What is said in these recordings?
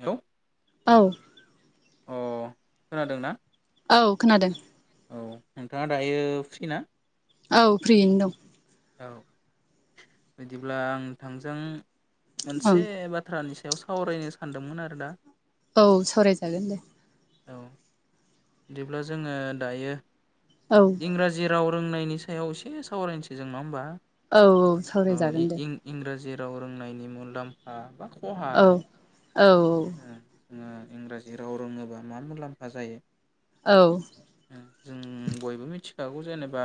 Hello. औ। खोनादों ना? औ खोनादों। औ नोंथाङा दायो फ्रि ना? औ फ्रियैनो दं। औ। बिदिब्ला आं थोंजों। मोनसे औ बाथ्रानिस सायाव सावरायनो सानदोंमोन आरो दा। औ सावरायजागोन दे। औ बिदिब्ला जोङो दायो। औ इंराजि। राव रोंनायनि सायाव एसे सावरायसै जों नङा होमबा? औ औ औ सावरायजागोन दे। इंराजि राव रोंनायनि मुलाम्फा बा खहा औ आरो औ जोङो इंराजि राव रोङोबा मा मुलाम्फा जायो। औ जों बयबो मिथिखागौ जेनेबा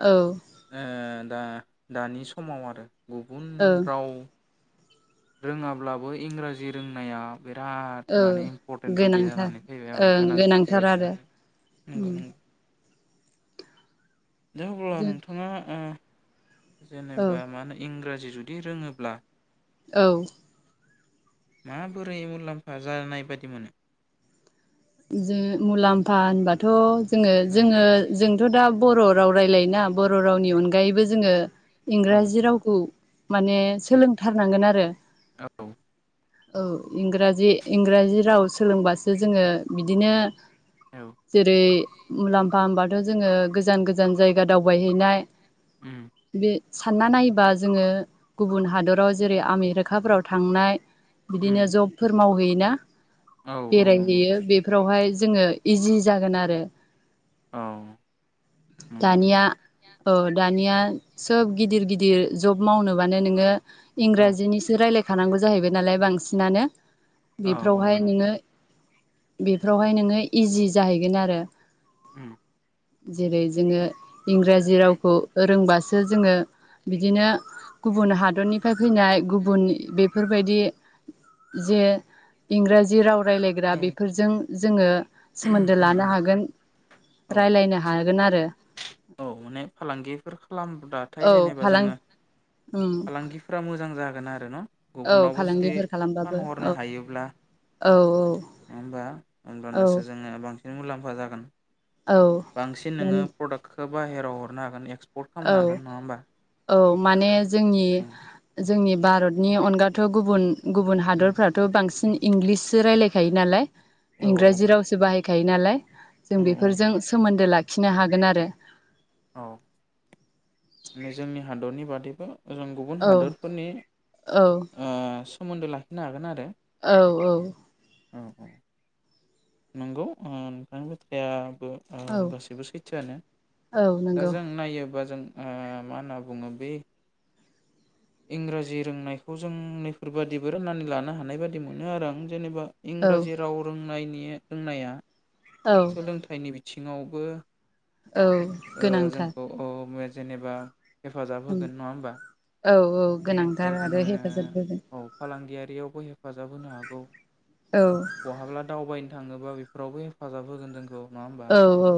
औ ओ दा दानि समाव आरो गुबुन औ राव रोङाब्लाबो इंराजि रोंनाया बिराद माने औ इम्परटेन्ट बायदि गोनांथार जानानै फैबाय औ ओं गोनांथि गोनांथार आरो उम बायदि दे अब्ला जों नोंथाङा ओ औ जेनेबा मा होन इंराजि जुदि रोङोब्ला औ माबोरै मुलाम्फा जानाय बादि मोनो जों मुलाम्फा होनबाथ' जोङो उम जोङो जोंथ' दा बर' राव रायलाय ना बर' रावनि अनगायैबो जोङो औ इंराजि रावखौ माने उम सोलोंथारनांगोन आरो औ औ इंराजि इंराजि राव सोलोंबासो जोङो बिदिनो औ जेरै मुलाम्फा होनबा आरो जोङो गोजान गोजान जायगा दावबायहैनाय उम बे सानना नायोबा जोङो गुबुन हादराव जेरै आमेरिकाफोराव थांनाय बिदिनो उम जबफोर मावहै ना औ औ नंगौ बेवहाय जोङो इजि जागोन आरो औ नंगौ दानिया नंगौ औ दानिया सोब गिदिर गिदिर जब मावनोबानो नोङो औ इंराजिनिसो रायलाय खानांगौ जाहैबाय नालाय बांसिनानो औ औ बेफोरावहाय नंगौ नोङो बेफोरावहाय नोङो इजि जाहैगोन आरो उम जेरै जोङो इंराजि रावखौ रोंबासो जोङो बिदिनो गुबुन हादरनिफ्राय फैनाय गुबुन बेफोरबायदि जे इंराजि राव रायलायग्रा औ बेफोरजों जोङो सोमोन्दो उम लानो उम हागोन औ रालायनो हागोन आरो फालांगिफोर खालामब्लाथाय औ जेनेबा फालां जोङो उम फालांगिफोरा मोजां जागोन आरो न औ गुबुनावबो जुदि फालांगिफोर खालामबाबो फानहरनो औ हायोब्ला औ औ नङा होमबा औ होमब्लानोसो जोङो बां सिन मुलाम्फा जागोन औ बांसिन नोङो माने प्रडाक्ट खौ बाहेराव हरनो हागोन एक्स पर्ट खालामनो औ हागोन नङा होमबा औ माने जोंनि उम जोंनि भारतनि अनगाथ' गुबुन गुबुन उम हादरफ्राथ' बांसिन इंग्लिससो रायलायखायो नालाय औ औ इंग्राजि रावसो बाहाय खायो नालाय जों औ औ बेफोरजों सोमोन्दो ला खिनो हागोन आरो औ जोंनि हादरनि बादैबो जों गुबुन औ हादरफोरनि औ ओ सोमोन्दो लाखिनो हागोन आरो औ औ औ औ नंगौ ओ नोंथांनि बाथ्राया बो औ गासैबो सैथोआनो औ दा नंगौ जों नायोबा जों ओ मा होनना बुङो बे इंराजि रोंनायखौ जों नैफोरबादिबो राननानै लानो हानाय बादि मोनो आरो आं जेनेबा औ इंराजि राव रोङ नायनि रोंनाया औ सोलोंथाइनि बि थिङावबो औ गोनांथार। औ जेनेबा हेफाजाब होगोन नङा होमबा? औ औ बेनिफ्राय गोनांथार आरो हेफाजाब होगोन। यावबो हेफाजाब होनो हागौ। औ बहाब्ला दावबायनो थाङोबा बेफोरावबो हेफाजाब होगोन जोंखौ। नङा होमबा औ औ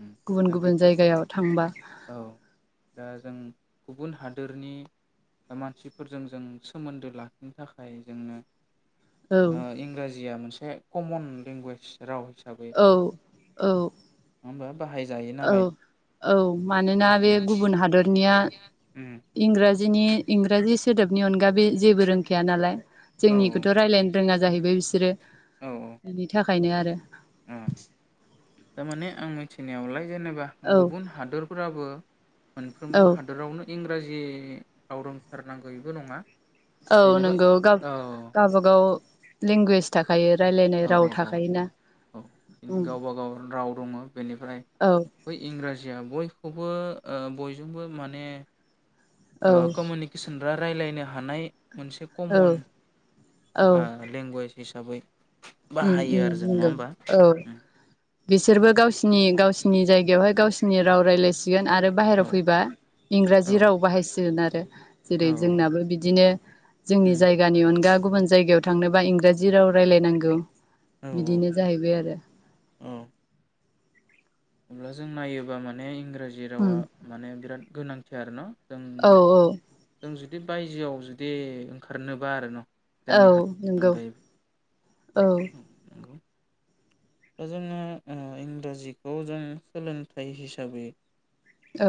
उम गुबुन दा गुबुन बेफोर जायगायाव थांबा औ दा जों गुबुन हादोरनि मानसिफोरजों जों सोमोन्दो लाखिनो थाखाय जोंनो औ इंराजिया मोनसे कमन लेंगुवेज रावाव औ औ। नंङा ओमबा? बाहायजायो नालाय। औ औ मानोना बे गुबुन हादरनिया उम इंराज इंराजिनि इंराजि सोदोबनि अनगा बे जेबो रोंखाया नालाय। औ जोंनिखौथ' रायजलायनो रोङा जाहैबाय बिसोरो औ बिनि गायनो आरो थारमाने आं थिनायावलाय जेनेबा औ गुबुन हादरफोराबो औ मोनफ्रोमबो हादरावनो इ इंराजि आाव रोंथारनांगौबो नङा। औ जेनेबा नोंगौ ग औ गावबागाव। लेंगुवेज थाखा औ औ औ औ औ उम गावबा गाव राव दङ बेनिफ्राय औ बै इंराजिया बय खौबो बयजोंबो माने औ कमिउनिकेसन। रा रायलायनो हानाय मोनसे औ कमन औ लेंगुवेज हिसाबै उम बाहायो उम आरो जों नङा नंगौ होमबा? औ बिसोरबो गावसिनि गावसिनि जायगायावहाय गावसिनि राव रायलायसि गोन आरो औ बाहेराव फैबा औ इंराजि राव बाहायसिगोन आरो। जेरै औ जोंनाबो बिदिनो जोंनि उम जायगानि अनगा गुबुन जायगायाव थांनोबा इंराजि राव रायलायनांगौ औ बिदिनो जाहैबाय आरो औ अब्ला जों नायोबा माने इंरा राजि उम रावा माने बिराद गोनांथि आरो ना? औ औ। दि बायजोआव जुदि ओंखारनोबा आरो न' जोंनि औ हादरनि नोंगौ। अनगायैबो औ। नंगौ दा जोंङो ओ इंराजिखौ जों सोलोंथाइ हिसाबै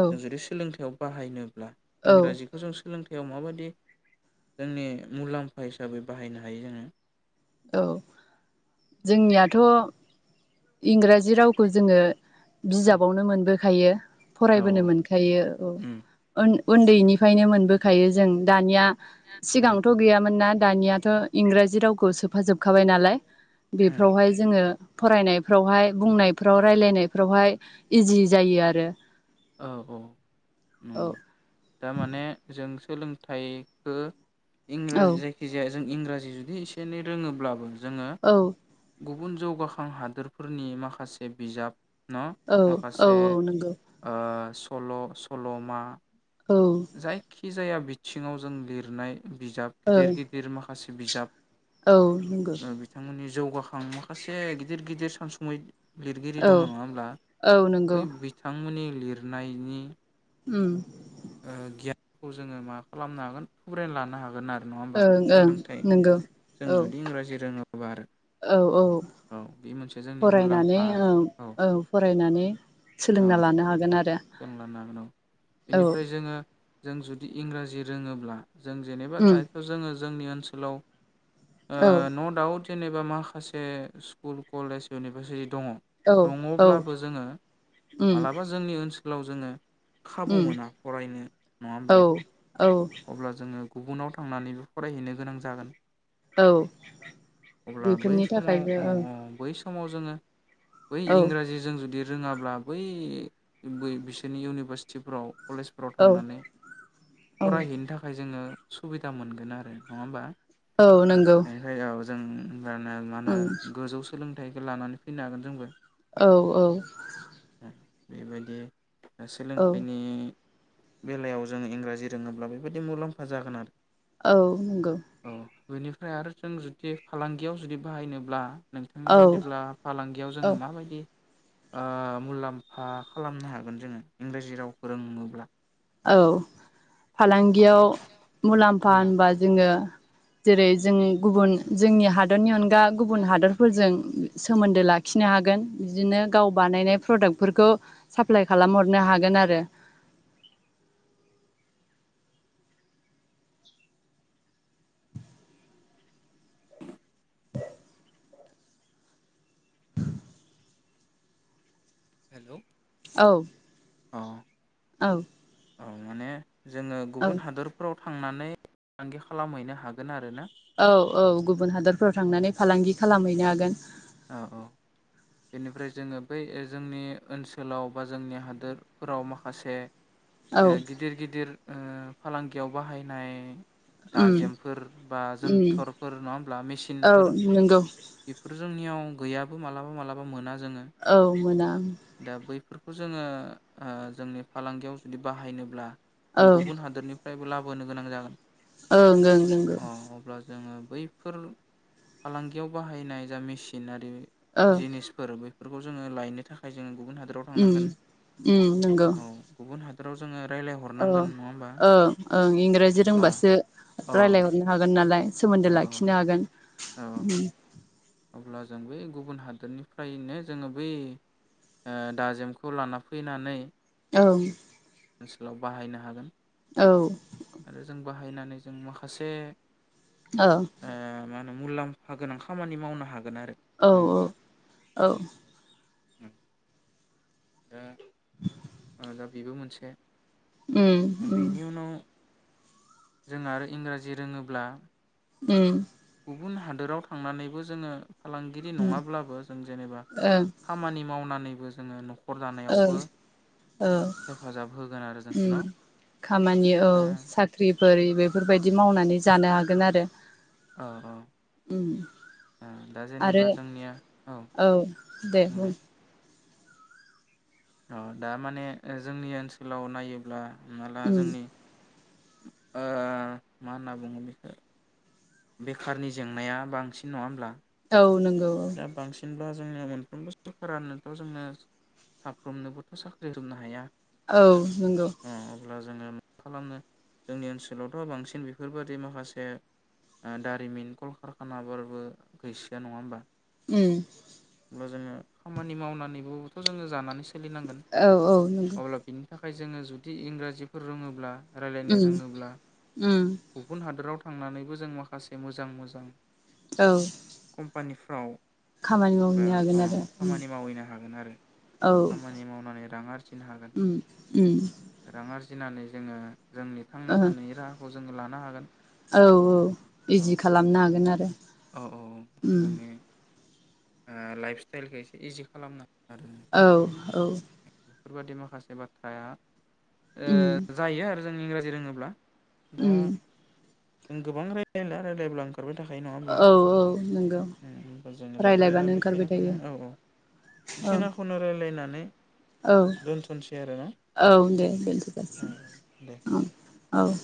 औ जुदि सोलोंथाइयाव बाहायनो ब्ला औ इंराजिखौ जों सो सोलोंथायाव माबादि जोंनि मुलाम्फा हिसाबै बाहायनो हायो जोङो। औ जोंनियाथ' इंराजि रावखौ जोंङो उम बिजाबावनो मोनबो खायो। औ फरायबोनो मोनखायो। औ उम ओन उन्दैनिफायनो मोनबोखायो जों दानिया औ सिगांथ' गैयामोन ना? दानियाथ' इंराजि रावखौ सो फाजोबखाबाय नालाय उम बेफोरावहाय जोंङो फरायनायफ्रावहाय बुंनायफ्राव रायलायनायफ्रावहाय इजि जायो आरो। औ औ। औ नोंगौ दामाने जों सोलोंथाइखो औ इंराजि जायखि जाया जों इंराजि जुदि एसे एनै रोङोंब्लाबो जोंङो औ गुबुन जौगाखां हादोरफोरनि माखासे बिजाब न' औ औ माखासे औ नंगौ। ओ सल' सल'मा बा औ जखि जाया बिथिङाव जों लिरनाय बिजाब गिदिर गिदिर माखा माखासे बिजाब औ नंगौ। ओ बिथांमोननि जौगाखां माखासे गिदिर गिदिर सानसुमै लिरगिरि औ दङ नङा होमब्ला औ बै नंगौ बिथांमोननि लिरनायनि उम ओ गियानखौ जोङो मा खालामनो हागोन थ्रुयना लानो हागोन आरो। नङा होमबा ओं सोलोंथाइ नंगौ जों औ जुदि इंराजि रोङोबा आरो औ बे मोनसे जोंनि मुलाम्फा आरो औ। [unintelligible] औ लानो हागोन आरो जों लानो हागोन औ औ बेनिफ्राय जोङो जों जुदि इंराजि रोङोब्ला जों जेनेबा उम दायथ' जोङो जोंनि ओनसोलाव आ औ न' दाउट जेनेबा माखासे स्कुल कलेज इउनिभारसिटि दङ औ औ दङब्लाबो जोङो उम मालाबा जोंनि ओ ओनसोलाव जोङो खाबु उम मोना फरायनो नङा औ होमब्ला? औ अब्ला जोङो गुबुनाव थांनानैबो फरायहैनो गोनां जागोन। औ अब्ला बै बेफोरनि समाव थाखायबो औ ओम बै सम समाव जोङो बै औ इंराजिजों जुदि रोङाब्ला बै बो बिसोरनि इउनिभारसिटिफ्राव कलेजफोराव औ थांनानै औ फरायहैनो थाखाय जोङो सुबिदा मोनगोन आरो नङा होमबा? औ नंगौ। बेनिफ्राय औ जों उम [unintelligible] गोजौ सोलोंथाइखौ लानानै फैनो हागोन जोंबो। औ औ। बेबायदि ओ औ सोलोंथाइनि बेलायाव जों इंराजि रोङोब्ला बेबायाददि मुलाम्फा जागोन आरो औ नंगौ। औ बेनिफ्राय आरो जों जुदि फालांगियाव जुदि बाहायनोब्ला नोंथांनि औ बादिब्ला फालांगियाव जोङो माबायदि ओ मुलाम्फा खालामनो हागोन जोङो इंराजि राव फोरोङोब्ला? औ। फालांगियाव मुलाम्फा उम होनबा जोङो जेरै जों गुबुन जोंनि हादरनि अन गा गुबुन हादरफोरजों सोमोन्दो लाखिनो हागोन बिदिनो गाव बानायनाय प्रडाक्टफोरखौ साप्लााय खालामहरनो हागोन आरो हेलौ औ। अ औ। औ माने जोङो औ गुबुन हादरफ्राव थांनानै फालांगि खालामहैनो हागोन आरो ना? औ औ गुबुन हादरफोराव थांनानै फालांगि खालामहैनो हागोन। औ औ बेनिफ्राय जोङो बै ओ जोंनि ओनसोलाव बा जोंनि हादोरफोराव माखासे औ ए गिदिर गिदिर ओ फालांगियाव बाहायनाय उम दाजेमफोर बा उम जोनथरफोर नङा होमब्ला औ मेसिनफोर नंगौ बेफोर जोंनियाव गैयाबो मालाबा मालाबा मोना जोङो औ मोना। दा बैफोर खौ जोङो जोंनि फालांगियाव जुदि बाहायनोब्ला औ जों ओं गुबुन हादोरनि फ्रायबो लाबोनो गोनां जागोन। ओं ओं नोंगो। अ अब्ला जोङो बैफोर फालांगियाव बाहायनाय जा मेसिन आ औ ए जिनिसफोर बै फोरखौ जोङो लायनो था फाय जों गुबुन हादोराव उम थांनांगोन उम नंगौ औ गुबुन हाद फोराव जोङो औ रायलायहरनांगोन नङा होमबा ओं ओं इंराजि अब्ला रोंबासो अ औ रायजलायहरनो हागोन नालाय। सोमोन्दो औ लाखिनो औ हागोन औ उम। अब्ला जों बै गुबुन हादोरनिफ्रायनो जोङो बै ओ दाजेमखौ लाना फैनानै ओं। ओनसोलाव बाहायनो हागोन। औ। हायनानै जों माखासे ओं। ओ मा होनो मुलाम्फा गोनां खामानि मावनो हाग औ औ औ। उम दा [unintelligible] बेबो मोनसे ए। उम उम। जों आरो इंराजि रोङोब्ला उम। गुबुन हादोराव थांनानैबो जोङो फालांगिरि उम नङाब्लाबो जों जेनेबा खामानि मावनान नैबो जोङो नख औ औ हेफाजाब होगोन आरो जोंखौ न' उम खामानि औ ओ साख्रि बोरै बेफोरबायदि मावनानै जानो हागोन आरो। औ उम औ दा आरो जेनेबा जोंनिया औ दे बुं बुंलाय। अ दा माने ओ जोंनि ओनसोलाव नायोब्ला हमना ला उम जोंनि ओ मा होनना बुंगोन बेखो। बेखारनि जेंनाया बांसिन नङा होमब्ला? औ नों दा बांसिन ब्ला जोंनो [unintelligible] मोनफ्रोमबो सरखारानोथ' जोंनो साफ्रोमनोबोथ' साख्रि होनो हाया। औ नंगौ। अ अब्ला जोङो मा खालामनो जोंनि ओनसोलावथ' बांसिन बेफोरबायाददि माखासे, ओ दारिमिन कलकारखानाफोरबो गैसया नङा होमबा। उ। अब्ला जोङो खामानि मावनानैबोथ' जोङो जानानै स औ- औ -नंगौ। थाखाय जोङो जुदि इंराजिफोर रोङोब्ला। रायलायनो उम रोङोब्ला उम गुबुन हादराव थ। थांनानैबो जों माखासे मोजां मोजां। औ। मानिस। औ। खामानि ओ मावहैनो हागोन अ आरो उम खामानि मावहैनो हागोन आरो, औ खामानि मावनानै रां आरजिनो हागोन उम उम रां आरजि। फिनानै जोङो। जोंनि थांना ओहो थानायनि राहाखौ। जोङो लानो हागोन। औ -औ- औ इजि खालामनो हागोन आरो। औ औ उ। जोंनि ओ लाइफ स्टाइलखौ एसे इजि खालामना होन आरो। औ -औ-। बेफोरबादि माखासे बाथ्राया। उम ओ जायो आरो। जों इंराजि रोङोब्ला। दा। उम जों गोबां रायलायला रायलायब्ला ओंखारो। ओखारबाय थाखायो नङा होमब्ला औ औ नंगौ होमब? जागोन। दायो रायलायबानो ओंखारबाय बेखिनाखौनो थायो औ -औ औ -बेखनाखौनो रायलायनानै। बे। औ- औ- दे औ दोनथगासिनो दे औ- औ-।